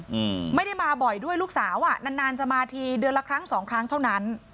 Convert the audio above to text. อืมไม่ได้มาบ่อยด้วยลูกสาวอ่ะนานนานจะมาทีเดือนละครั้งสองครั้งเท่านั้น